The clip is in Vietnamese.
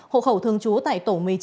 hộ khẩu thường chú tại tổ một mươi chín